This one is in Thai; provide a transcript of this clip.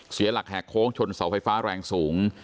เสียหลักแหกโค้งชนเสาไฟฟ้าแรงสูง